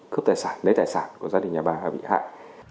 cướp tài sản lấy tài sản của gia đình nhà bà hai bị hại